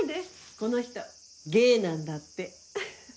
この人ゲイなんだって。